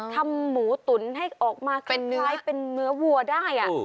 ทำหมูตุ๋นให้ออกมาคล้ายเป็นเนื้อวัวได้